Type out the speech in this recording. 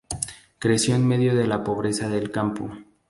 Creció en medio de la pobreza del campo.